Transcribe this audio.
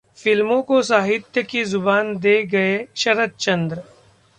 फिल्मों को साहित्य की जुबान दे गए शरतचंद्र...